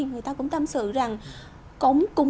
người ta cũng tâm sự rằng